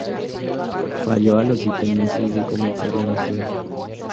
Falló a los siete meses de comenzar la misión.